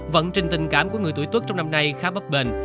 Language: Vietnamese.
vận trình tình cảm của người tuổi tuốt trong năm nay khá bấp bền